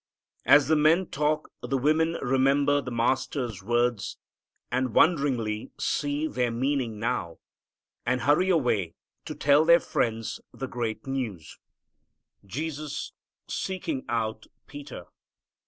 As the men talk the women remember the Master's words, and wonderingly see their meaning now, and hurry away to tell their friends the great news. Jesus Seeking Out Peter.